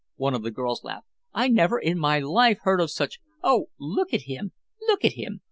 one of the girls laughed. "I never in my life heard of such—Oh, look at him! _Look at him!